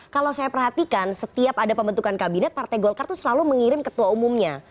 kalau saya perhatikan setiap ada pembentukan kabinet partai golkar itu selalu mengirim ketua umumnya